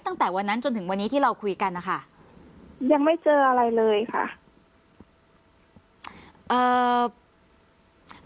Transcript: ตั้งแต่วันนั้นจนถึงวันนี้ที่เราคุยกันนะคะยังไม่เจออะไรเลยค่ะ